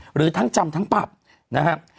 หรือทั้งจำทั้งปรับนะครับ